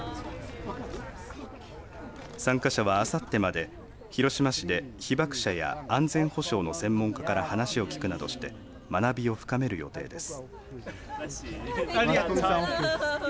参加者はあさってまで広島市で被爆者や安全保障の専門家から話を聞くなどして学びを深める予定です。